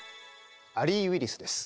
アリー・ウィリスです。